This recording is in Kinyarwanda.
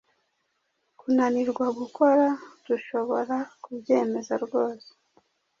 Kunanirwa gukora dushobora kubyemeza rwose